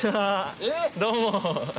どうも。